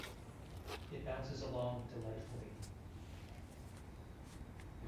It bounces along delightfully.